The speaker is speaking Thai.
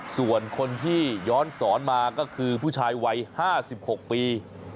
ส่วนคนที่ย้อนสอนมาก็คือผู้ชายวัย๕๖ปี